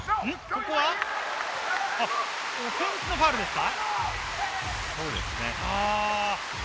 ここはオフェンスのファウルですか？